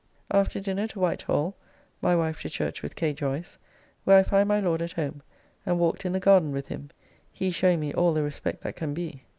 After dinner to White Hall (my wife to church with K. Joyce), where I find my Lord at home, and walked in the garden with him, he showing me all the respect that can be.